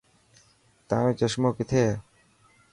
تايون چشمون ڪٿي هي.